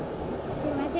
すいません。